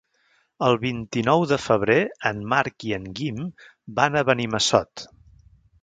El vint-i-nou de febrer en Marc i en Guim van a Benimassot.